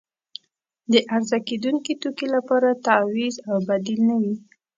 د عرضه کیدونکې توکي لپاره تعویض او بدیل نه وي.